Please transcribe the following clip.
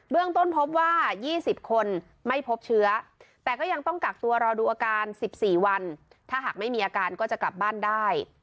ต้นพบว่า๒๐คนไม่พบเชื้อแต่ก็ยังต้องกักตัวรอดูอาการ๑๔วันถ้าหากไม่มีอาการก็จะกลับบ้านได้